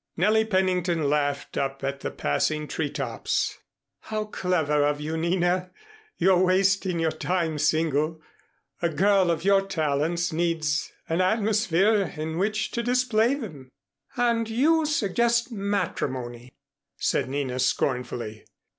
Nellie Pennington laughed up at the passing tree tops. "How clever of you, Nina! You're wasting your time single. A girl of your talents needs an atmosphere in which to display them." "And you suggest matrimony," said Nina scornfully.